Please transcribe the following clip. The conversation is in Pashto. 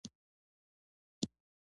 د نوروز جشن زرګونه کاله کیږي